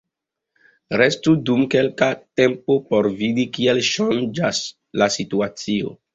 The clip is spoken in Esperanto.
Restu dum kelka tempo por vidi kiel ŝanĝas la situacio.